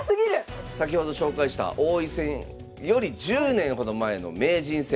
先ほど紹介した王位戦より１０年ほど前の名人戦。